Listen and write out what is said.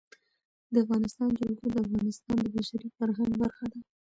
د افغانستان جلکو د افغانستان د بشري فرهنګ برخه ده.